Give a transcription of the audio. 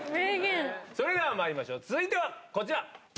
それではまいりましょう、続いてはこちら。